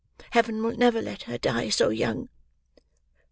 Heaven will never let her die so young."